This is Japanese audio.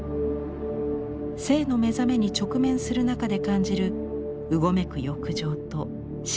性の目覚めに直面する中で感じるうごめく欲情と死への恐れ。